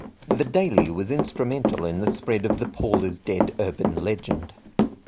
The "Daily" was instrumental in the spread of the Paul is dead urban legend.